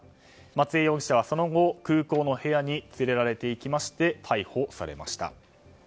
松江容疑者はその後空港の部屋に連れられて行きまして逮捕されました。